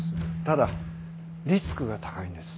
ただリスクが高いんです。